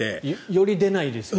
より出ないですよね。